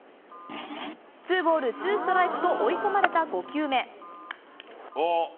ツーボールツーストライクと追い込まれた５球目。